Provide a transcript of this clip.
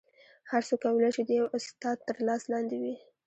هر څوک کولی شي د یو استاد تر لاس لاندې وي